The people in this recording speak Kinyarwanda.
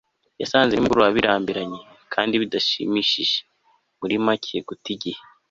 yasanze nimugoroba birambiranye kandi bidashimishije, muri make, guta igihe